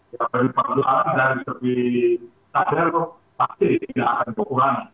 ya beribadalah dari segi kader pasti ini akan kekurangan